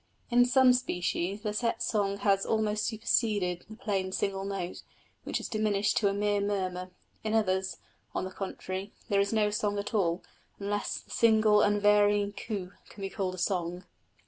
In some species the set song has almost superseded the plain single note, which has diminished to a mere murmur; in others, on the contrary, there is no song at all, unless the single unvarying coo can be called a song.